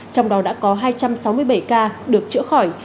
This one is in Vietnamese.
trong đó đã có hai trăm sáu mươi bảy ca được chữa khỏi